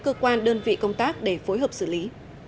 cơ quan đơn vị công tác để phối hợp xử lý